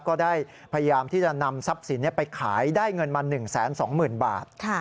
ก็ได้พยายามที่จะนำทรัพย์สินไปขายได้เงินมา๑๒๐๐๐บาท